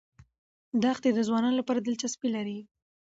دښتې د ځوانانو لپاره دلچسپي لري.